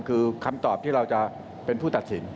คือคำตอบที่เราจะเป็นผู้ตัดสิน